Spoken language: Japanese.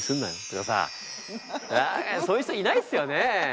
そういう人いないっすよね。